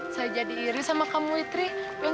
sebaiknya kita pergi